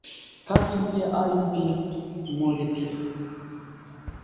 Kifo kwa mnyama muathirika kinaweza kutokea